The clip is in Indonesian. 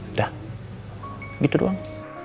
udah gitu doang